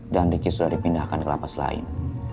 dan ricky sudah dipindahkan ke lapas lain